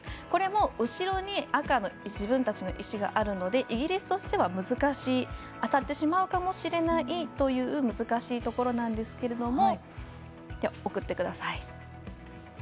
ここも後ろに赤の自分たちの石があるのでイギリスとしては難しい当たってしまうかもしれない難しいところなんですけど。